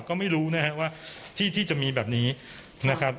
ก็ไม่รู้นะครับว่าที่ที่จะมีแบบนี้นะครับ